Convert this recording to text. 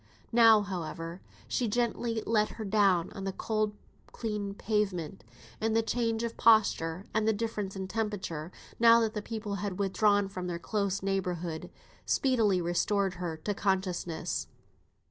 Now, however, she gently let her down on the cold clean pavement; and the change of posture, and the difference in temperature, now that the people had withdrawn from their close neighbourhood, speedily restored her to consciousness.